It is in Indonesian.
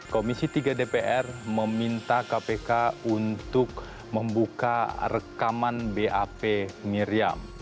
komisi tiga dpr meminta kpk untuk membuka rekaman bap miriam